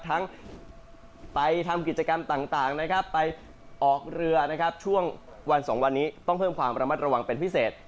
ทั้งไปทำกิจกรรมต่างนะครับไปออกเรือนะครับช่วงวันสองวันนี้ต้องเพิ่มความระมัดระวังเป็นพิเศษ